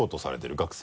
学生？